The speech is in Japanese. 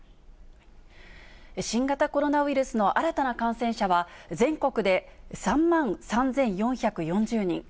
新型コロナウイルスの新たな感染者は、全国で３万３４４０人。